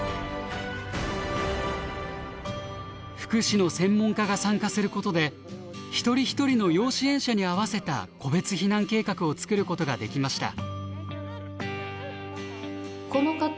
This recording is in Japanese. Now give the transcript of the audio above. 福祉の専門家が参加することで一人一人の要支援者に合わせた個別避難計画を作ることができました。